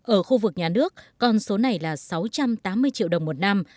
ở khu vực nhà nước con số này là sáu trăm tám mươi triệu đồng một năm